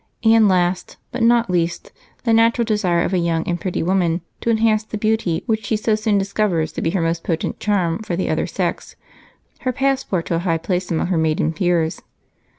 And last, but not least, the natural desire of a young and pretty woman to enhance the beauty which she so soon discovers to be her most potent charm for the other sex, her passport to a high place among her maiden peers.